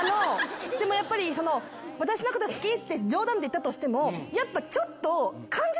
でもやっぱり私のこと好き？って冗談で言ったとしてもやっぱちょっと。